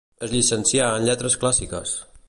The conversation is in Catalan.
Es llicencià en lletres clàssiques.